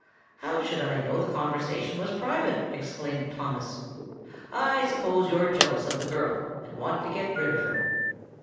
"How should I know the conversation was private?" exclaimed Thomas. "I suppose you're jealous of the girl, and want to get rid of her."